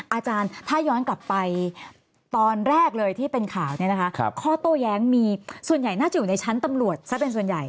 อาจารย์ถ้าย้อนกลับไปตอนแรกเลยที่เป็นข่าวเนี่ยนะคะข้อโต้แย้งมีส่วนใหญ่น่าจะอยู่ในชั้นตำรวจซะเป็นส่วนใหญ่